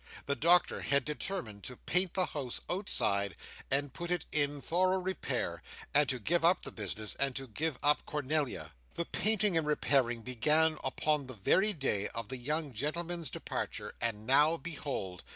The Doctor had determined to paint the house outside, and put it in thorough repair; and to give up the business, and to give up Cornelia. The painting and repairing began upon the very day of the young gentlemen's departure, and now behold!